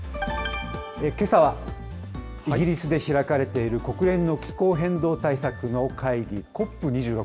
けさはイギリスで開かれている国連の気候変動対策の会議、ＣＯＰ２６。